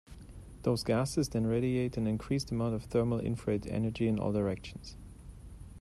Those gases then radiate an increased amount of thermal infrared energy in all directions.